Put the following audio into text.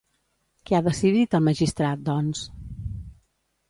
Què ha decidit el magistrat, doncs?